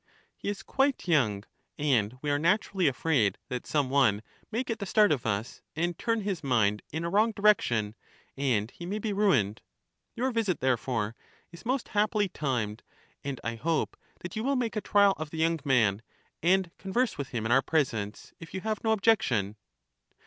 He is quite young, and we are naturally afraid that some one may get the start of us, and turn his mind in a wrong direction, and he may be ruined. Your visit, therefore, is most happily timed; and I hope that you will make a trial of the young man, and converse with him in our presence, if you have no objection.